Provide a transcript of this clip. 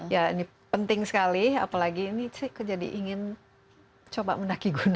ya ini penting sekali apalagi ini jadi ingin coba mendaki gunung